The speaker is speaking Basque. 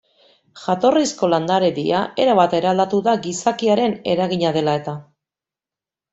Jatorrizko landaredia, erabat eraldatu da gizakiaren eragina dela eta.